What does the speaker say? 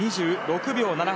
２６秒７８。